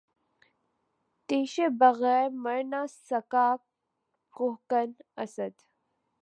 تیشے بغیر مر نہ سکا کوہکن، اسد